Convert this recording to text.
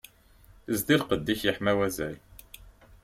Zdi lqedd-ik yeḥma wazal.